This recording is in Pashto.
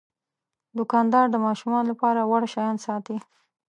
دوکاندار د ماشومانو لپاره وړ شیان ساتي.